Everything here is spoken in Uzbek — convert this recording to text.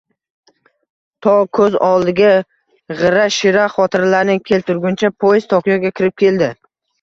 To ko`z oldiga g`ira-shira xotiralarini keltirguncha poezd Tokiga kirib keldi